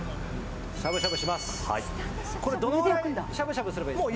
どのぐらい、しゃぶしゃぶすればいいですか？